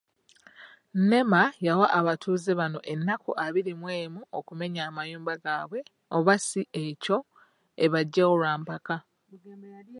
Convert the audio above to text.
NEMA yawa abatuuze bano ennaku abiri mu emu okumenya amayumba gaabwe oba ssi ekyo, ebaggyewo lwampaka.